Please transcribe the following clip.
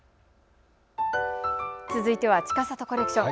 続いてはちかさとコレクション。